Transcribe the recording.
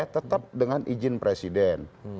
tetap dengan izin presiden